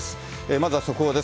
まずは速報です。